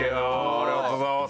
ありがとうございます。